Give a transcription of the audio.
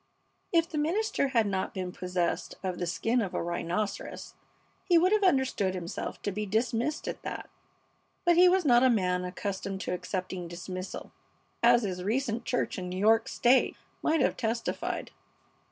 If the minister had not been possessed of the skin of a rhinoceros he would have understood himself to be dismissed at that; but he was not a man accustomed to accepting dismissal, as his recent church in New York State might have testified.